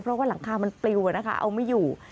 เพราะว่าหลังคามันปลิวเอาไม่อยู่